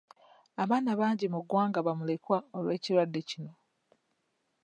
Abaana bangi mu ggwanga bamulekwa olw'ekirwadde kino.